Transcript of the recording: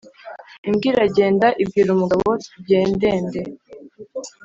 imbwa iragenda ibwira umugabo tugendende.